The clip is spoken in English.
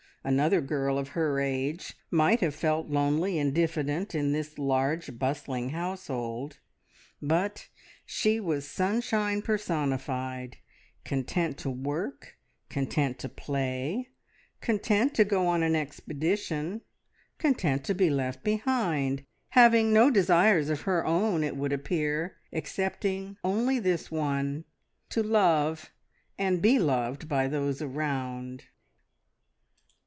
Another girl of her age might have felt lonely and diffident in this large, bustling household, but she was sunshine personified content to work, content to play, content to go on an expedition, content to be left behind, having no desires of her own, it would appear, excepting only this one to love, and be loved by those around.